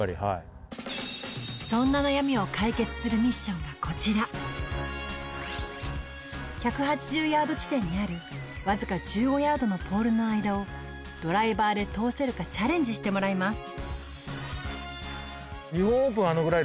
そんながこちら１８０ヤード地点にあるわずか１５ヤードのポールの間をドライバーで通せるかチャレンジしてもらいます